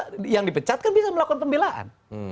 kalau dipecat kan bisa melakukan pembelaan